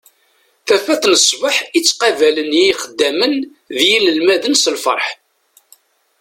Tafat n sbeḥ i ttqabalen yixeddamen d yinelmaden s lferḥ.